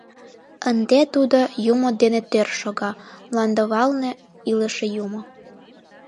Ынде Тудо Юмо дене тӧр шога — мландывалне илыше Юмо...